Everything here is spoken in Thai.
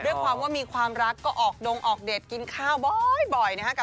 ด้วยความว่ามีความรักก็ออกดงออกเดทกินข้าวบ่อยนะครับ